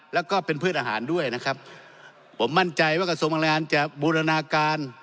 แล้วก็เป็นพืชอาหารด้วยนะครับผมมั่นใจว่ากระทรวงพลังงานจะบูรณาการ